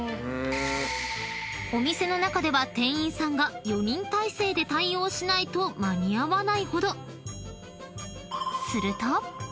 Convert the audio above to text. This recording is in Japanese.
［お店の中では店員さんが４人態勢で対応しないと間に合わないほど］